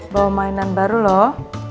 bawa mainan baru loh